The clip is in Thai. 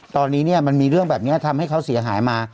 ตอนนี้มันมีเรื่องแบบนี้ทำให้เขาเสียหายมา